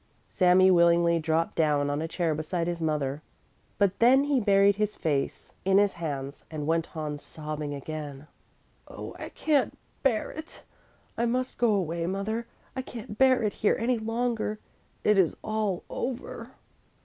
Sami willingly dropped down on a chair beside his mother. But then he buried his face in his hands and went on sobbing again. "Oh, I can't bear it, I must go away, mother, I can't bear it here any longer, it is all over!"